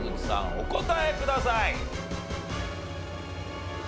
お答えください。